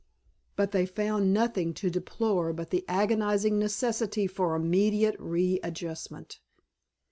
But they found nothing to deplore but the agonizing necessity for immediate readjustment.